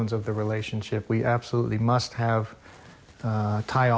เมื่อกะจุบัตรุ่งไทยคงยิ่งมาไทย